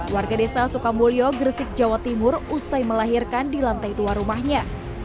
warga desa sukamulyo gresik jawa timur usai melahirkan di lantai dua rumahnya